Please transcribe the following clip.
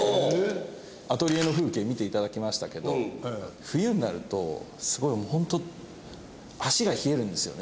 アトリエの風景見て頂きましたけど冬になるとすごいホント足が冷えるんですよね。